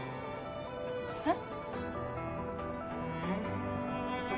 えっ？